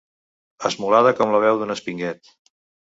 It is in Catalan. Esmolada com la veu d'un espinguet.